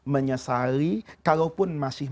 menyesali kalaupun masih